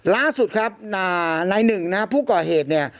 ล่าสุดครับนายหนึ่งนะฮะผู้ก่อเหตุเนี่ย